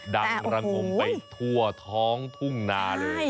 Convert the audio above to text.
ดังรังห่มไปทั่วท้องทุ่งนาเลย